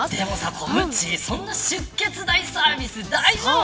コムッチそんなに出血大サービス大丈夫。